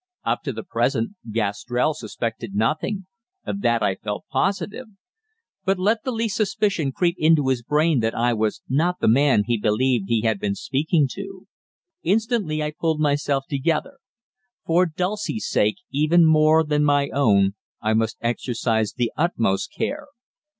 Up to the present, Gastrell suspected nothing of that I felt positive; but let the least suspicion creep into his brain that I was not the man he believed he had been speaking to Instantly I pulled myself together. For Dulcie's sake even more than for my own I must exercise the utmost care.